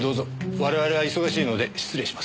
我々は忙しいので失礼します。